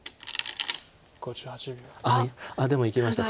あっでもいきました。